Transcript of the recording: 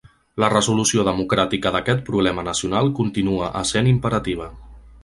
La resolució democràtica d’aquest problema nacional continua essent imperativa.